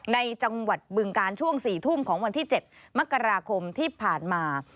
ในจังหวัดบึงการช่วง๔ทุ่มของวันที่๗มกราคมที่ผ่านมา